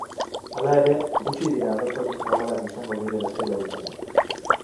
Hala ere, gutxi dira adostasun zabalak izango direla espero dutenak.